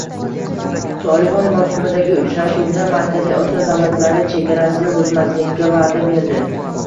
«Tolibon» Moskvadagi uchrashuvda Markaziy Osiyo davlatlari chegarasini buzmaslikka va'da berdi